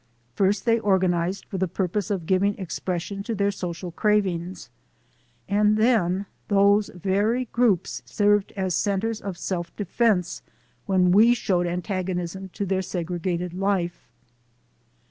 First they organized for the purpose of giving ex pression to their social cravings, and then those very groups served as centers of self defense when we showed antagonism to their segregated life.